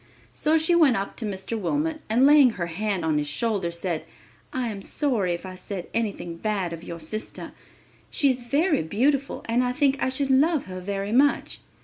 So she went up to Mr. Wilmot and laying her hand on his shoulder, said, "I am sorry if I said anything bad of your sister. She is very beautiful and I think I should love her very much.